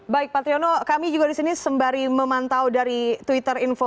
baik pak triwono kami juga di sini sembari memantau dari twitter info